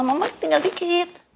mama tinggal dikit